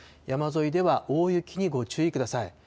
山沿いでは大雪にご注意ください。